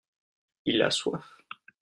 il a soif.